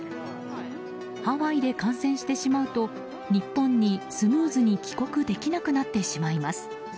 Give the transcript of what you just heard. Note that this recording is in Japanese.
ハワイで感染してしまうと日本にスムーズに帰国できなくなってしまいます。